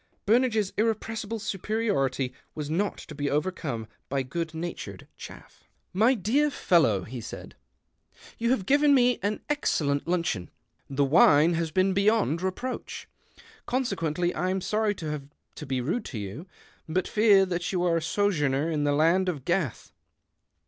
Burnage's irrepressible superiority was not to be overcome by good natured chaff. THE OCTAVE OF CLAUDIUS. 153 "My dear fellow/' he said, "you have 1 iven me an excellent linicheoii. The wme las been beyond reproach. Consequently I im sorry to have to be rude to you. But '. fear that you are a sojourner in the land )f Gath.